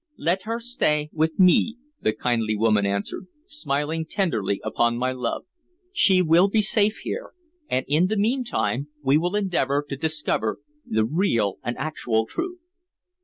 "Let her stay with me," the kindly woman answered, smiling tenderly upon my love. "She will be safe here, and in the meantime we will endeavor to discover the real and actual truth."